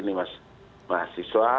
kemudian masyarakat kemudian mahasiswa